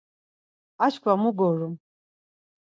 Aşǩva mu gorum.